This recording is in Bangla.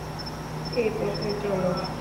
এ পথে চলো।